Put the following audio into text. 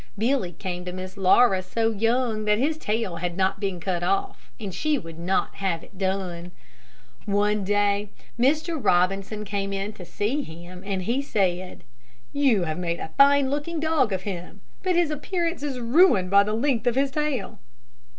Billy came to Miss Laura so young that his tail had not been cut off, and she would not have it done. One day Mr. Robinson came in to see him, and he said, "You have made a fine looking dog of him, but his appearance is ruined by the length of his tail."